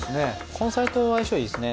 根菜と相性いいですね。